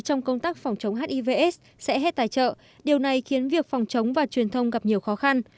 trong công tác phòng chống hiv aids sẽ hết tài trợ điều này khiến việc phòng chống và truyền thông gặp nhiều khó khăn